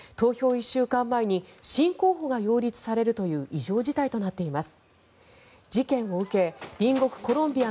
１週間前に新候補が擁立されるという異常事態となっています。